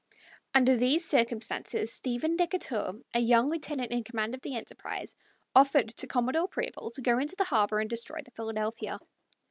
Under these circumstances Stephen Decatur, a young lieutenant in command of the Enterprise, offered to Commodore Preble to go into the harbor and destroy the Philadelphia.